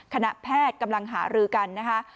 คณะแพทย์กำลังหารือกันนะคะ